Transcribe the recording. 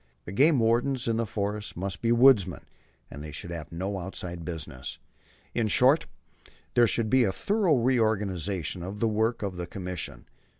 The game wardens in the forests must be woodsmen; and they should have no outside business. In short, there should be a thorough reorganization of the work of the Commission.